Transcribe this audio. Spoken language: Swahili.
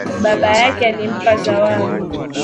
Baba yake alimpa zawadi.